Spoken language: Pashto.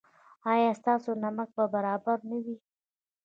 ایا ستاسو نمک به برابر نه وي؟